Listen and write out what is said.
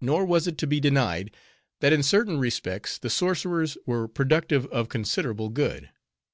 Nor was it to be denied, that in certain respects, the sorcerers were productive of considerable good.